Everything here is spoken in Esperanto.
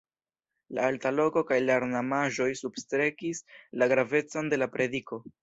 La alta loko kaj la ornamaĵoj substrekis la gravecon de la prediko.